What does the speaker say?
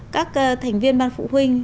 các thành viên ban phụ huynh